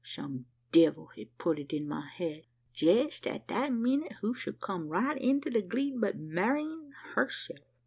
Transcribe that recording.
Some devil hed put it in my head. Jest at that minnit, who shed come right into the gleed but Marian herself!